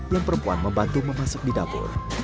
yang perempuan membantu memasuk di dapur